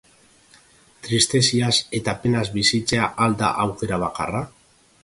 Tristeziaz eta penaz bizitzea al da aukera bakarra?